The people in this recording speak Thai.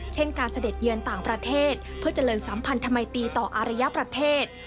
เช่นการเสด็จเยือนต่างประเทศเพื่อเจริญสัมพันธมัยตีต่ออารยประเทศ